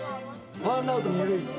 ワンアウト２塁。